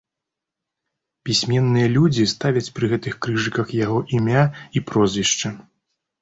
Пісьменныя людзі ставяць пры гэтых крыжыках яго імя і прозвішча.